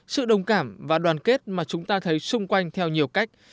sự đồng cảm và đoàn kết mà chúng ta thấy xung quanh theo nhiều cách